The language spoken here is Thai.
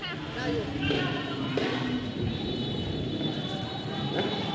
นะคะ